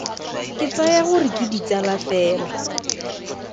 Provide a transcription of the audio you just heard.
Ke tsaya gore ke ditsala fela.